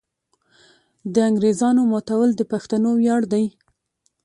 د انګریزامو ماتول د پښتنو ویاړ دی.